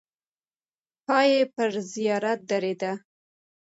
پای یې پر زیارت درېده.